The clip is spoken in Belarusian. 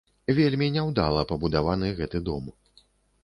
Вельмі няўдала пабудаваны гэты дом.